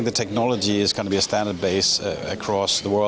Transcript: karena teknologi akan menjadi standar di seluruh dunia